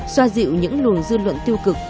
xoa dịu những nùn dư luận tiêu cực